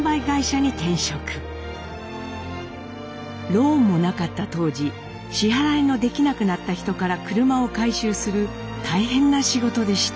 ローンもなかった当時支払いのできなくなった人から車を回収する大変な仕事でした。